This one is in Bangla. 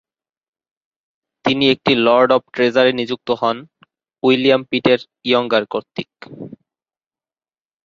তিনি একটি লর্ড অফ ট্রেজারি নিযুক্ত হন উইলিয়াম পিটের ইয়ঙ্গার কর্তৃক।